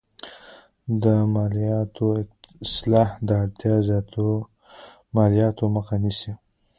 د مالیاتو اصلاح د اړتیا زیاتو مالیاتو مخه نیسي.